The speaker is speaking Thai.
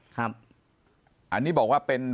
ปากกับภาคภูมิ